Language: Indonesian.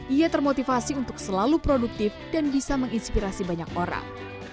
ia termotivasi untuk selalu produktif dan bisa menginspirasi banyak orang